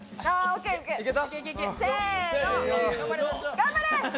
頑張れ！